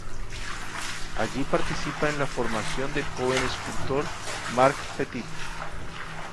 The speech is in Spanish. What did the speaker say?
Allí participa en la formación del joven escultor Marc Petit.